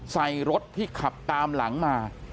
ใส่รถที่ขับตามหลังมา